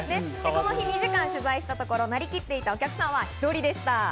この日、２時間取材したところ、なりきってたお客さんは１人でした。